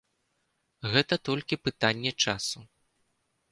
Гэта толькі пытанне часу.